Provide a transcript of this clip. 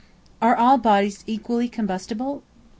Are all bodies equally combustible?